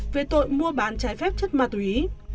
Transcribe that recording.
về tội mua bán trái phép chất ma túy